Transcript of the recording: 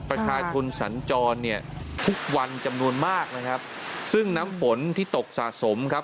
ประชาชนสัญจรเนี่ยทุกวันจำนวนมากนะครับซึ่งน้ำฝนที่ตกสะสมครับ